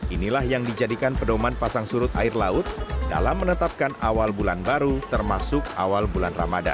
inilah yang dijadikan pedoman pasang surut air laut dalam menetapkan awal bulan baru termasuk awal bulan ramadan